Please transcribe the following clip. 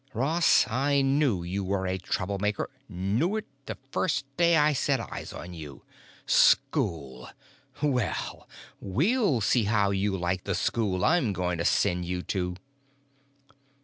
Ross, I knew you were a troublemaker, knew it the first day I set eyes on you. School! Well, we'll see how you like the school I'm going to send you to!"